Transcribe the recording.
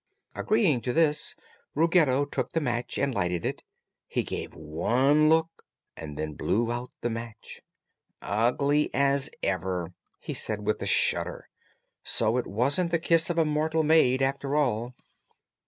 Agreeing to this, Ruggedo took the match and lighted it. He gave one look and then blew out the match. "Ugly as ever!" he said with a shudder. "So it wasn't the kiss of a Mortal Maid, after all."